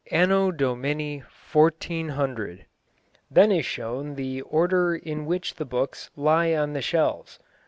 Anno domini, MCCCC." Then is shown the order in which the books lie on the shelves.